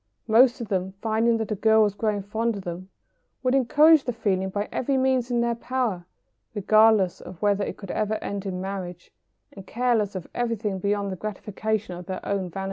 Most of them, finding that a girl was growing fond of them, would encourage the feeling by every means in their power, regardless of whether it could ever end in marriage, and careless of everything beyond the gratification of their own vanity.